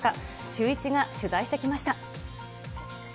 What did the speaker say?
シューイチが取材してきました。